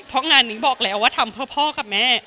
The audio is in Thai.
เพราะงานนี้บอกแล้วว่าทำเพื่อพ่อกับแม่